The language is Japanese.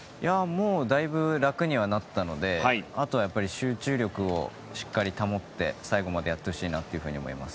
もうだいぶ楽にはなったのであとは集中力をしっかり保って最後までやってほしいなと思います。